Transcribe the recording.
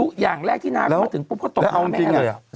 โลกอย่างแรกที่น้าก็มาถึงปุ๊บก็ตกต่อบแมแล้วเอาจริงอย่างไรอะ